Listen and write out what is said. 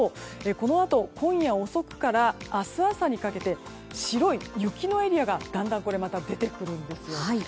このあと今夜遅くから明日朝にかけて白い雪のエリアがだんだん出てくるんです。